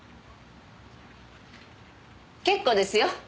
結構ですよ。